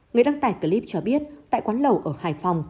người đăng tải clip cho biết tại quán lẩu ở hải phòng